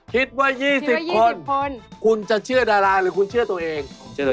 เพราะฉะนั้นถ้ามักกว่า๑๙คนจริง